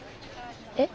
えっ？